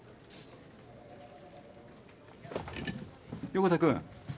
横田君。